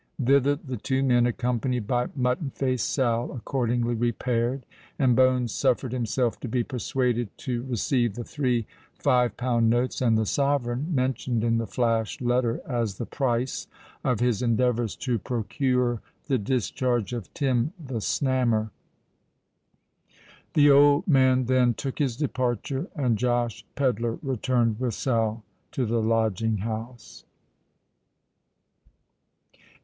Thither the two men, accompanied by Mutton Face Sal, accordingly repaired; and Bones suffered himself to be persuaded to receive the three five pound notes and the sovereign, mentioned in the flash letter, as the price of his endeavours to procure the discharge of Tim the Snammer. The old man then took his departure, and Josh Pedler returned with Sal to the lodging house.